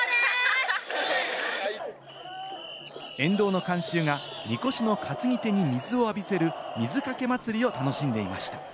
沿道の観衆が神輿の担ぎ手に水を浴びせる、水かけ祭りを楽しんでいました。